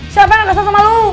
siapa yang gak kesel sama lo